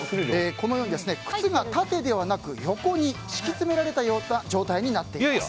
このように靴が縦ではなくて横に敷き詰められたような状態になっています。